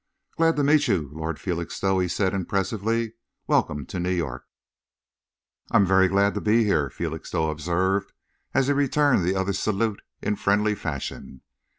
"Glad to meet you, Lord Felixstowe," he said impressively. "Welcome to New York." "I am very glad to be here," Felixstowe observed, as he returned the other's salute in friendly fashion.